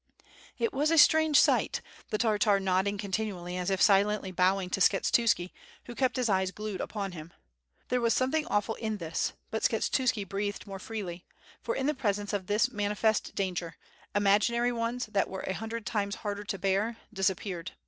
It was a strange sight, the Tartar nodding con tinually as if silently bowing to Skshetuski, who kept his eyes glued upon him. There was something awful in this, but Skshetuski breathed more freely, for in the presence of this manifest danger, imaginary ones that were a hundred times harder to bear, disappeared.